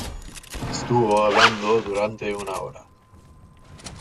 Estuvo hablando durante una hora.